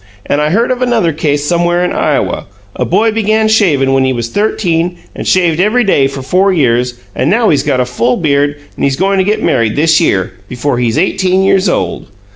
And I heard of another case somewhere in Iowa a boy began shaving when he was thirteen, and shaved every day for four years, and now he's got a full beard, and he's goin' to get married this year before he's eighteen years old.